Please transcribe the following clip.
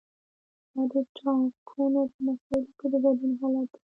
دا د ټاکنو په مسایلو کې د ګډون حالت دی.